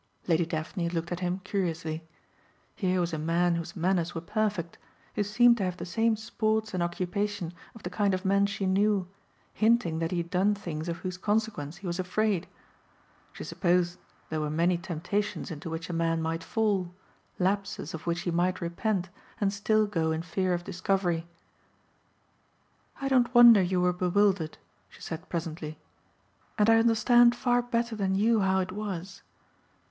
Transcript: Lady Daphne looked at him curiously. Here was a man whose manners were perfect, who seemed to have the same sports and occupation of the kind of men she knew hinting that he had done things of whose consequence he was afraid. She supposed there were many temptations into which a man might fall, lapses of which he might repent and still go in fear of discovery. "I don't wonder you were bewildered," she said presently, "and I understand far better than you how it was.